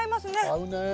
合うね。